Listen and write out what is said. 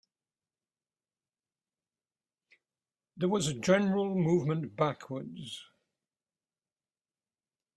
There was a general movement backwards.